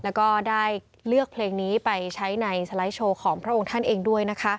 และได้เลือกเพลงนี้ไปใช้ในสไลด์โชว์ของพระองค์ช่วงนี้ด้วย